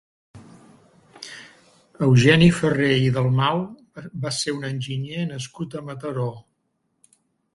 Eugeni Ferrer i Dalmau va ser un enginyer nascut a Mataró.